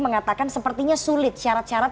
mengatakan sepertinya sulit syarat syarat